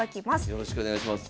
よろしくお願いします。